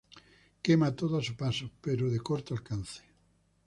Quema todo a su paso, pero de corto alcance.